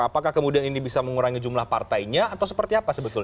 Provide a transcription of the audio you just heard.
apakah kemudian ini bisa mengurangi jumlah partainya atau seperti apa sebetulnya